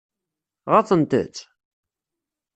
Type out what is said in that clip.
Ɣaḍent-tt?